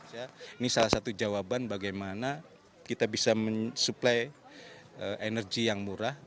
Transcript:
ini salah satu jawaban bagaimana kita bisa mensuplai energi yang murah